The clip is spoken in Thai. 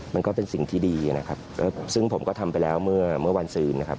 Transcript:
มันก็เป็นสิ่งที่ดีนะครับซึ่งผมก็ทำไปแล้วเมื่อวันศืนนะครับ